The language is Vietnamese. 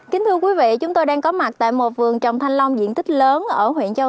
kính thưa quý vị chúng tôi đang có mặt tại một vườn trồng thanh long diện tích lớn ở huyện châu